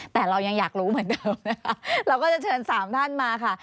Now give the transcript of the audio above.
แต่เรายังอยากรู้เหมือนเดิมนะคะเราก็จะเชิญสามท่านมาค่ะ